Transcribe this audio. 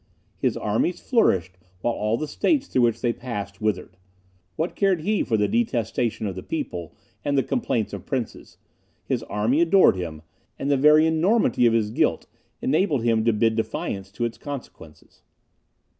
His armies flourished while all the states through which they passed withered. What cared he for the detestation of the people, and the complaints of princes? His army adored him, and the very enormity of his guilt enabled him to bid defiance to its consequences.